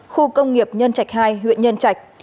khu công nghiệp nhân trạch hai huyện nhân trạch